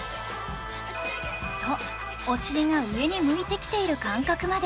とお尻が上に向いてきている感覚まで